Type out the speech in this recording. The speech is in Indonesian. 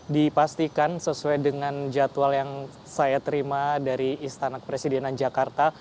dipastikan sesuai dengan jadwal yang saya terima dari istana kepresidenan jakarta